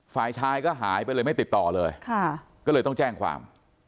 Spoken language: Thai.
ฝ่ายชายก็หายไปเลยไม่ติดต่อเลยก็เลยต้องแจ้งความ